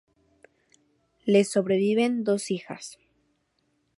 Le sobreviven dos hijas.